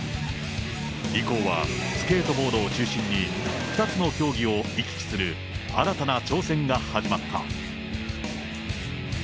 以降はスケートボードを中心に、２つの競技を行き来する新たな挑戦が始まった。